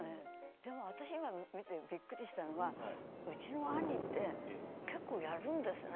でも私今、見てびっくりしたのはうちの兄って結構やるんですね。